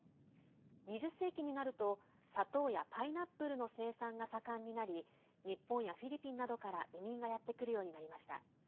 ２０世紀になると、砂糖やパイナップルの生産が盛んになり日本やフィリピンなどから移民がやって来るようになりました。